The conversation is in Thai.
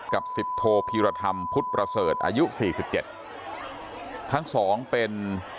กับสิบโทพีรธรรมพุทธประเสริฐอายุสี่สิบเจ็ดทั้งสองเป็น